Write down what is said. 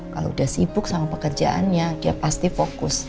kalau udah sibuk sama pekerjaannya dia pasti fokus